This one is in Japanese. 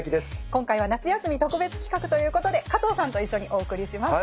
今回は夏休み特別企画ということで加藤さんと一緒にお送りします。